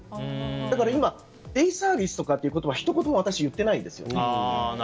だから今デイサービスとかっていう言葉ひと言も言っていないですよね。